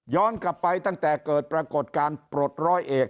กลับไปตั้งแต่เกิดปรากฏการณ์ปลดร้อยเอก